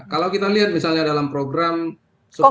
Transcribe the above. kalau kita lihat misalnya dalam program sepuluh tahun mp tiga i